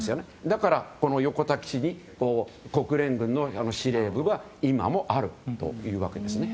だから、この横田基地に国連軍の司令部が今もあるというわけです。